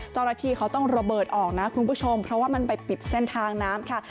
เจ้าหน้าที่เขาต้องระเบิดออกนะคุณผู้ชมเพราะว่ามันไปปิดเส้นทางน้ำค่ะ